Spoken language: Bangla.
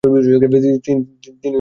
তিনি খেতে পারবেন।